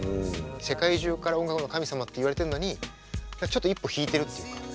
世界中から音楽の神様っていわれてるのにちょっと一歩引いてるっていうか。